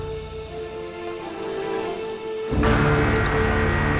dan saya masih sama dengan jawabannya